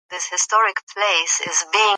ایا علم په پښتو ګټور دی؟